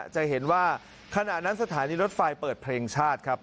จะเห็นว่าขณะนั้นสถานีรถไฟเปิดเพลงชาติครับ